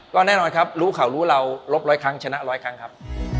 ก็แน่นอนครับรู้ข่าวรู้เรารบร้อยครั้งชนะร้อยครั้งครับ